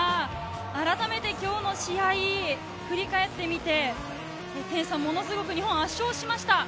あらためて今日の試合を振り返ってみて、ものすごく点差、圧勝しました。